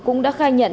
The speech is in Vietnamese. cũng đã khai nhận